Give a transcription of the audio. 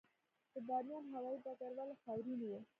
د بامیان هوايي ډګر ولې خاورین و؟